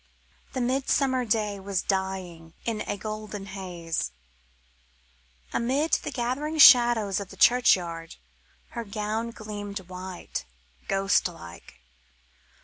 The midsummer day was dying in a golden haze. Amid the gathering shadows of the churchyard her gown gleamed white, ghostlike.